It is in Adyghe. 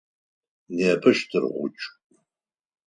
Непэ щтыргъукӏ.